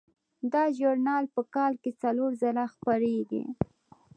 دا ژورنال په کال کې څلور ځله خپریږي.